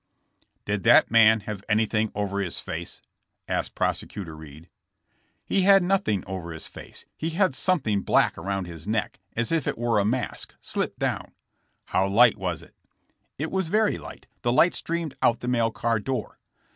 ''Did that man have anything over his face?" asked Prosecutor Reed. He had nothing over his face. He had some thing black around his neck, as if it were a mask, slipped down." *'How light was it?" It was very light. The light streamed out the mail car door."